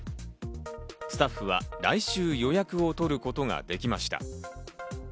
スタッフは来週予約を取ることができました。